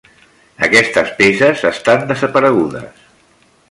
Aquestes peces estan desaparegudes.